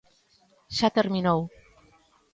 Xa terminou.